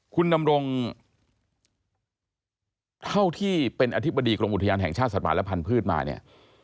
คุณดำรงเท่าที่เป็นอธิบดีกรมอุทยานแห่งชาติสัตว์ป่าและพันธุ์มาเนี่ย